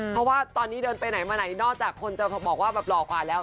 เพราะว่าตอนนี้เดินไปไหนมาไหนนอกจากคนจะบอกว่าแบบหล่อกว่าแล้ว